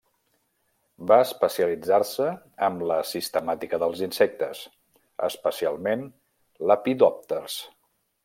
Va especialitzar-se amb la sistemàtica dels insectes, especialment Lepidòpters.